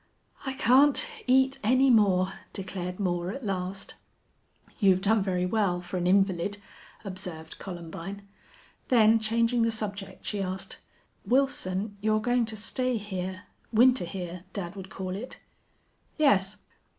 "I can't eat any more," declared Moore, at last. "You've done very well for an invalid," observed Columbine. Then, changing the subject, she asked, "Wilson, you're going to stay here winter here, dad would call it?" "Yes."